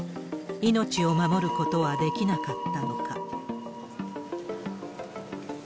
命を守ることはできなかったのか。